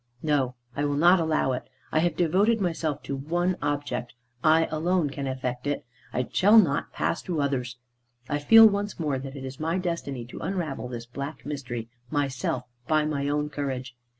"No. I will not allow it. I have devoted myself to one object. I alone can effect it. It shall not pass to others. I feel once more that it is my destiny to unravel this black mystery; myself, by my own courage.